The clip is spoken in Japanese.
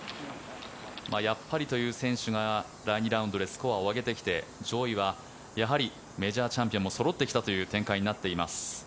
やっぱりという選手が第２ラウンドでスコアを上げてきて上位はメジャーチャンピオンもそろってきたという展開になっています。